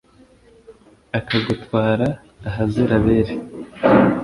akagutwara ahazira abere